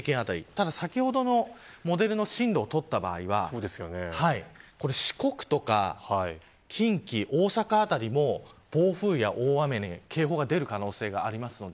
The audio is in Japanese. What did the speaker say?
ただ先ほどのモデルの進路を通った場合は四国とか近畿大阪辺りも、暴風や大雨の警報が出る可能性があります。